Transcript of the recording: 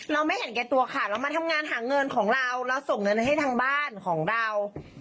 เราไม่เห็นแก่ตัวค่ะเรามาทำงานหาเงินของเราเราส่งเงินให้ทางบ้านของเรา